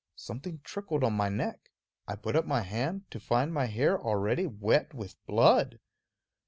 Something trickled on my neck; I put up my hand, to find my hair already wet with blood.